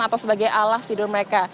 atau sebagai alas tidur mereka